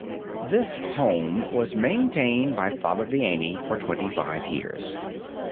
This home was maintained by Father Vianney for twenty five years.